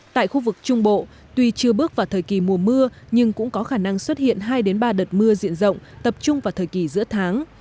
tại khu vực trung bộ tuy chưa bước vào thời kỳ mùa mưa nhưng cũng có khả năng xuất hiện hai ba đợt mưa diện rộng tập trung vào thời kỳ giữa tháng